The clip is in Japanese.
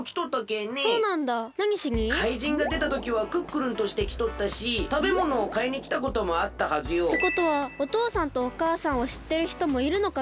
かいじんがでたときはクックルンとしてきとったしたべものをかいにきたこともあったはずよ。ってことはおとうさんとおかあさんをしってるひともいるのかな？